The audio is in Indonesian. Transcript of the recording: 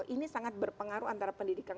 ini sangat berpengaruh antara pendidikan